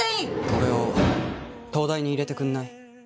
俺を東大に入れてくんない？